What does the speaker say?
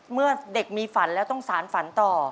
เมื่อเด็กมีฝันแล้วต้องสารฝันต่อ